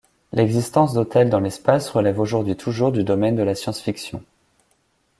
L'existence d'hôtels dans l'espace relève aujourd'hui toujours du domaine de la science-fiction.